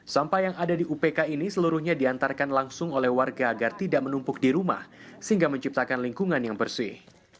sampah yang ada di upk ini seluruhnya diantarkan langsung oleh warga agar tidak menumpuk di rumah sehingga menciptakan lingkungan yang bersih